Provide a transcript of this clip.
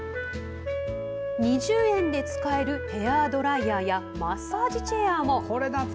２０円で使えるヘアドライヤーやマッサージチェア